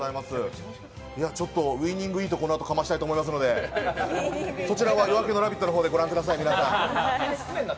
ちょっとウイニングイートかましたいと思いますので、そちらは「夜明けのラヴィット！」でご覧ください。